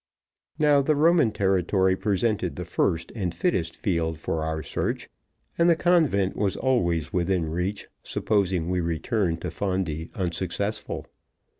Now the Roman territory presented the first and fittest field for our search, and the convent was always within reach, supposing we returned to Fondi unsuccessful.